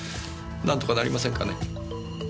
なんとかなりませんかね？